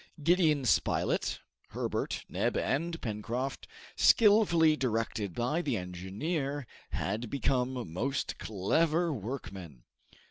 Gideon Spilett, Herbert, Neb, and Pencroft, skillfully directed by the engineer, had become most clever workmen.